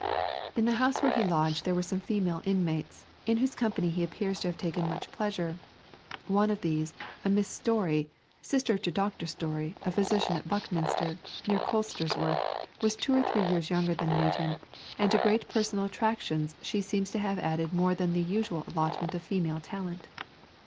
"In the house where he lodged there were some female inmates, in whose company he appears to have taken much pleasure. One of these, a Miss Storey, sister to Dr. Storey, a physician at Buckminster, near Colsterworth, was two or three years younger than Newton and to great personal attractions she seems to have added more than the usual allotment of female talent.